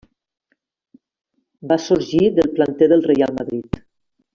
Va sorgir del planter del Reial Madrid.